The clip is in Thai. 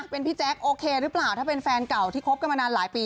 เป็นพี่แจ๊คโอเคหรือเปล่าถ้าเป็นแฟนเก่าที่คบกันมานานหลายปี